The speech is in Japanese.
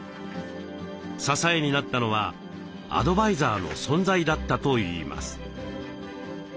支えになったのはアドバイザーの存在だったといいます。